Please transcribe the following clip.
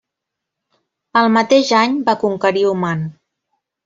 El mateix any va conquerir Oman.